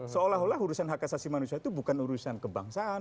seolah olah urusan hak asasi manusia itu bukan urusan kebangsaan